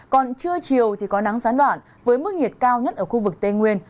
còn trưa chiều thì có nắng gián đoạn với mức nhiệt cao nhất ở khu vực tây nguyên